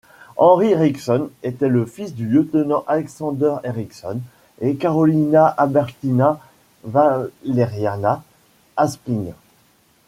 Henry Ericsson était le fils du lieutenant Alexander Ericsson et Carolina Albertina Valeriana Aspling.